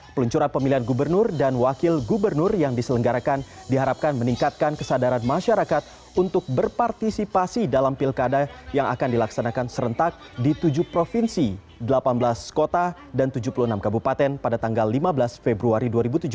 peluncuran pemilihan gubernur dan wakil gubernur yang diselenggarakan diharapkan meningkatkan kesadaran masyarakat untuk berpartisipasi dalam pilkada yang akan dilaksanakan serentak di tujuh provinsi delapan belas kota dan tujuh puluh enam kabupaten pada tanggal lima belas februari dua ribu tujuh belas